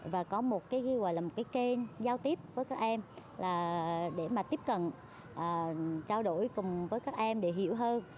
và có một kênh giao tiếp với các em để tiếp cận trao đổi cùng với các em để hiểu hơn